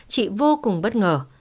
chị vô cùng bất ngờ